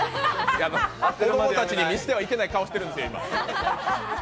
子供たちに見せてはいけない顔してるんですよ。